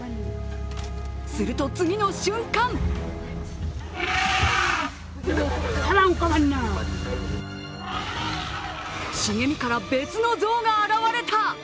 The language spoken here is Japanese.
すると次の瞬間茂みから、別の象が現れた！